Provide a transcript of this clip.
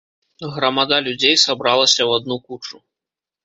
Грамада людзей сабралася ў адну кучу.